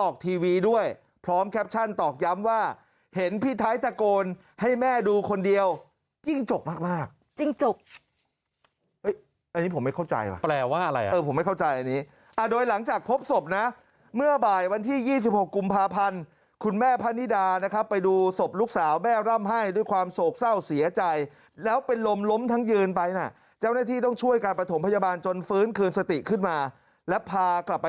ออกทีวีด้วยพร้อมแคปชั่นตอกย้ำว่าเห็นพี่ไทยตะโกนให้แม่ดูคนเดียวจิ้งจกมากจิ้งจกอันนี้ผมไม่เข้าใจว่ะแปลว่าอะไรเออผมไม่เข้าใจอันนี้โดยหลังจากพบศพนะเมื่อบ่ายวันที่๒๖กุมภาพันธ์คุณแม่พะนิดานะครับไปดูศพลูกสาวแม่ร่ำให้ด้วยความโศกเศร้าเสียใจแล้วเป็นลมล้มทั้งยืนไปนะเจ้าหน้าที่ต้องช่วยการประถมพยาบาลจนฟื้นคืนสติขึ้นมาแล้วพากลับไป